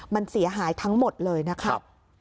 มันเสียหายทั้งหมดเลยนะครับ